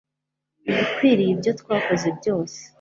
ibikwiriye ibyo twakoze byose